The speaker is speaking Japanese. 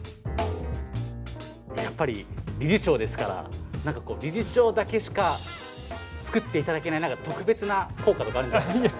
やっぱり理事長ですから何かこう理事長だけしか造って頂けない特別な硬貨とかあるんじゃないですか？